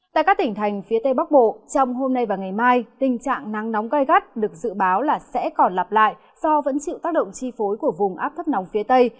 tại các tỉnh thành phía tây bắc bộ trong hôm nay và ngày mai tình trạng nắng nóng gai gắt được dự báo là sẽ còn lặp lại do vẫn chịu tác động chi phối của vùng áp thấp nóng phía tây